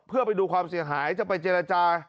เพื่อไปดูความเสียหายจะไปเจรจา